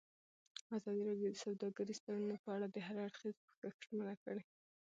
ازادي راډیو د سوداګریز تړونونه په اړه د هر اړخیز پوښښ ژمنه کړې.